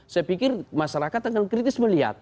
saya pikir masyarakat akan kritis melihat